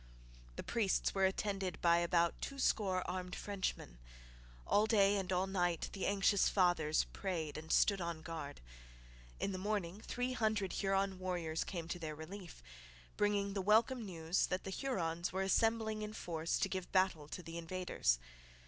The priests were attended by about twoscore armed Frenchmen. All day and all night the anxious fathers prayed and stood on guard. In the morning three hundred Huron warriors came to their relief, bringing the welcome news that the Hurons were assembling in force to give battle to the invaders.